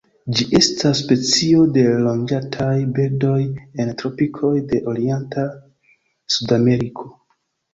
Ĝi estas specio de loĝantaj birdoj en tropikoj de orienta Sudameriko.